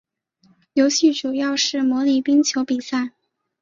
游戏主要是模拟冰球比赛。